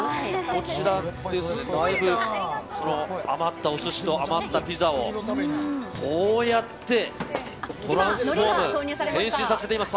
こちら、だいぶ余ったお寿司と余ったピザを、こうやってトランスフォーム変身させています。